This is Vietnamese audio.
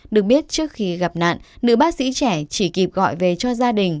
được biết trước khi gặp nạn nữ bác sĩ trẻ chỉ kịp gọi về cho gia đình